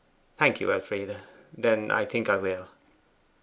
'Thank you, Elfie; then I think I will.